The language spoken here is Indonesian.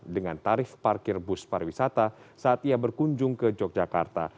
dengan tarif parkir bus pariwisata saat ia berkunjung ke yogyakarta